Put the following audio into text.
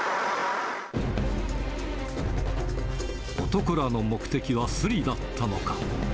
男らの目的はすりだったのか。